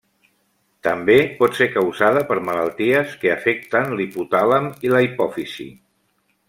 També pot ser causada per malalties que afecten l'hipotàlem i la hipòfisi.